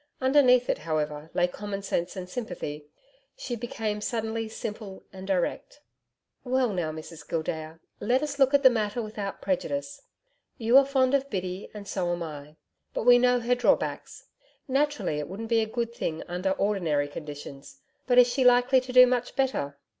Underneath it, however, lay commonsense and sympathy. She became suddenly simple and direct. 'Well, now, Mrs Gildea, let us look at the matter without prejudice. You are fond of Biddy and so am I, but we know her drawbacks. Naturally, it wouldn't be a good thing under ordinary conditions, but is she likely to do much better?'